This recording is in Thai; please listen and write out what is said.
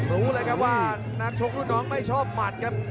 รู้เลยครับว่านักชกรุ่นน้องไม่ชอบหมัดครับ